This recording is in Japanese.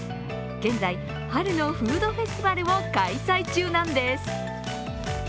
現在、春のフードフェスティバルを開催中なんです。